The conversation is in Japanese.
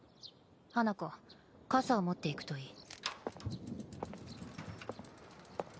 花子傘を持っていくといい。